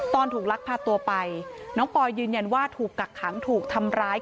ถูกลักพาตัวไปน้องปอยยืนยันว่าถูกกักขังถูกทำร้าย